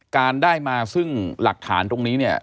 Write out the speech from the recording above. การได้มาซึ่งหลักฐานตรงนี้เนี่ย